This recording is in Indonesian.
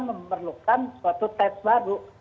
memerlukan suatu tes baru